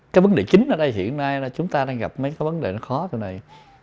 cái vấn đề chính ở đây hiện nay là chúng ta đang gặp mấy cái vấn đề khó điều này